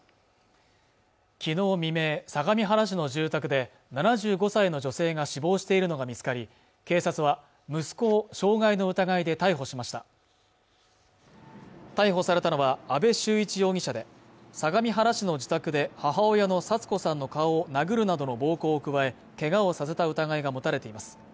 昨日未明、相模原市の住宅で７５歳の女性が死亡しているのが見つかり警察は息子を傷害の疑いで逮捕しました逮捕されたのは阿部秀一容疑者で相模原市の自宅で母親のサツ子さんの顔を殴るなどの暴行を加えけがをさせた疑いが持たれています